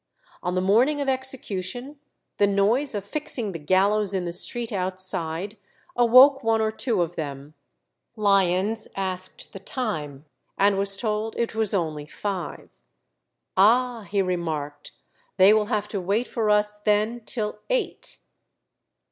On the morning of execution the noise of fixing the gallows in the street outside awoke one or two of them. Lyons asked the time, and was told it was only five. "Ah!" he remarked, "they will have to wait for us then till eight."